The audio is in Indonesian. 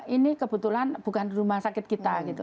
ini kebetulan bukan rumah sakit kita gitu